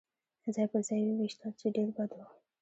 ځای پر ځای يې وویشتل، چې ډېر بد و.